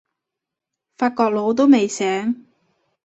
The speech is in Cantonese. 法國佬都未醒